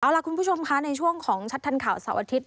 เอาล่ะคุณผู้ชมค่ะในช่วงของชัดทันข่าวเสาร์อาทิตย